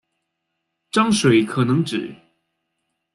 章水可能指